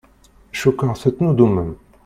Cukkeɣ tettnuddumem.